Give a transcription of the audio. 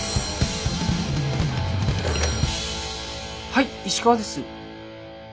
☎はい石川です。